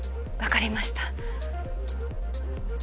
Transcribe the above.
わかりました。